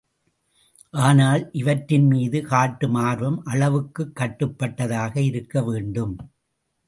ஆனால் இவற்றின் மீது காட்டும் ஆர்வம் அளவுக்குக் கட்டுப்பட்ட தாக இருக்கவேண்டும்.